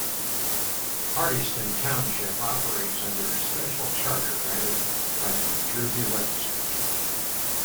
Hardyston Township operates under a Special Charter granted by the New Jersey Legislature.